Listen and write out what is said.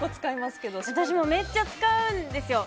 私めっちゃ使うんですよ。